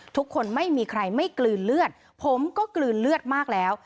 ไม่มีใครไม่กลืนเลือดผมก็กลืนเลือดมากแล้ว